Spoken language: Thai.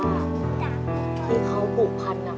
ที่เขาผูกพันนะ